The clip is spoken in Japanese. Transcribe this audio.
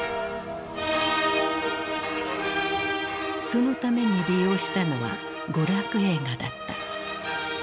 そのために利用したのは娯楽映画だった。